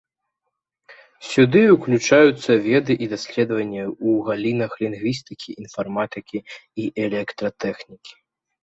Сюды ўключаюцца веды і даследаванні ў галінах лінгвістыкі, інфарматыкі і электратэхнікі.